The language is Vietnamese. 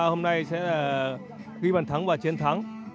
hôm nay sẽ ghi bản thắng và chiến thắng